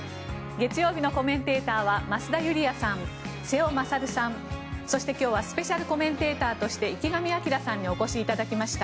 月曜日のコメンテーターは増田ユリヤさん、瀬尾傑さんそして今日はスペシャルコメンテーターとして池上彰さんにお越しいただきました。